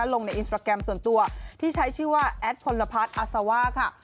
ลงในอินสตราแกรมส่วนตัวที่ใช้ชื่อว่าแอดพลพัฒน์อาซาว่าค่ะ